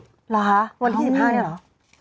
หรอวันที่๑๕หรอ